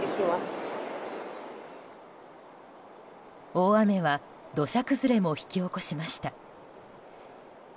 大雨は土砂崩れも引き起こしました。